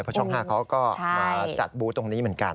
เพราะช่อง๕เขาก็มาจัดบูธตรงนี้เหมือนกัน